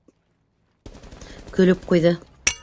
Көлөп ҡуйҙы.